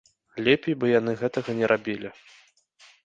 Лепей бы яны гэтага не рабілі.